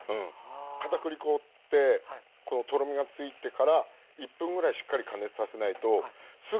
片栗粉ってこのとろみがついてから１分ぐらいしっかり加熱させないとすぐにね緩むんですよ。